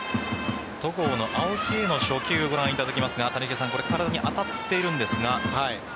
戸郷の青木への初球ご覧いただきますが体に当たっているんですが。